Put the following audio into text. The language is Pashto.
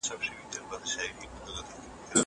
موږ موسی عليه السلام او د هغه ټولو ملګرو ته نجات ورکړ.